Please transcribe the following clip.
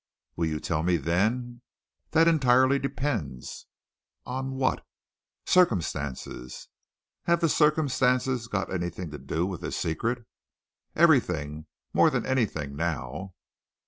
"Will you tell me then?" "That entirely depends." "On what?" "Circumstances!" "Have the circumstances got anything to do with this secret?" "Everything! More than anything now."